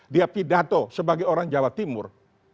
dia pidato sebagai orang jawa timur